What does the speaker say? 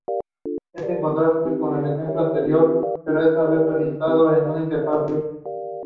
Another rematch was then scheduled for Elimination Chamber.